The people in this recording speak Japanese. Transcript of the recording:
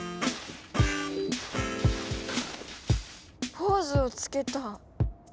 ポーズをつけた。